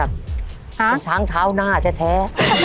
เป็นช้างเท้าหน้าแท้